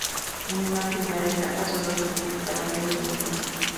En una primera etapa sólo se publicaron tres números.